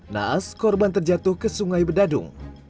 naas korban terjatuh ke sungai bedadung